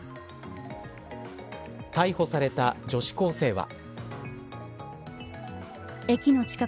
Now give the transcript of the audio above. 逮捕された女子高生は。